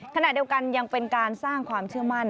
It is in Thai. ขณะเดียวกันยังเป็นการสร้างความเชื่อมั่น